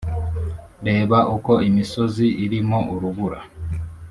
reba uko imisozi irimo urubura